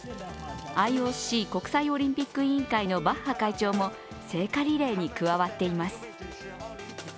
ＩＯＣ＝国際オリンピック委員会のバッハ会長も聖火リレーに加わっています。